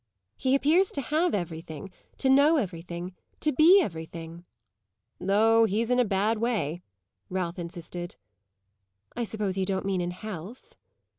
He appears to have everything, to know everything, to be everything." "Oh, he's in a bad way!" Ralph insisted. "I suppose you don't mean in health?"